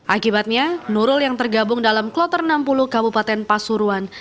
akibatnya nurul yang tergabung dalam kloter enam puluh kabupaten pasuruan